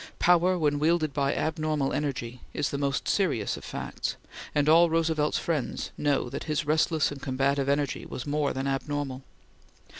Power when wielded by abnormal energy is the most serious of facts, and all Roosevelt's friends know that his restless and combative energy was more than abnormal.